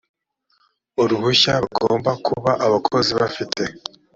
uruhushya bagomba kuba abakozi bafite